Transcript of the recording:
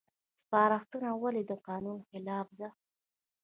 سپارښتنه ولې د قانون خلاف ده؟